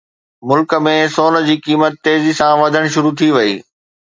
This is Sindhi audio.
ملڪ ۾ سون جي قيمت تيزي سان وڌڻ شروع ٿي وئي